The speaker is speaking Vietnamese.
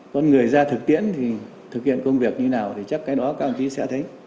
con người ra thực tiễn thì thực hiện công việc như nào thì chắc cái đó các ông chí sẽ thấy